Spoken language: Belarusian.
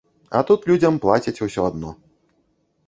А тут людзям плацяць усё адно.